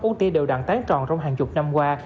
út tiêu đều đặn tán tròn trong hàng chục năm qua